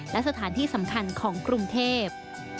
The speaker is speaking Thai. และสถานที่สำคัญของกรุงเทพ